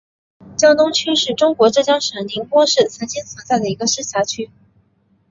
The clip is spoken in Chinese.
江东区是中国浙江省宁波市曾经存在的一个市辖区。